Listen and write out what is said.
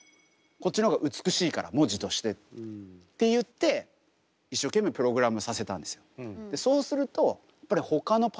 こっちの方が美しいから文字として。って言って一生懸命プログラムさせたんですよ。